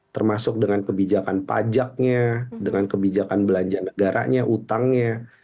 termasuk dengan kebijakan pajaknya dengan kebijakan belanja negaranya utangnya